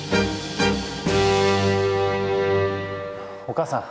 お母さん。